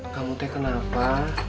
kamu teh kenapa